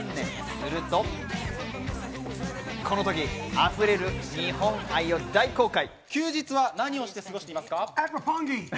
すると、このとき、溢れる日本愛を大公開。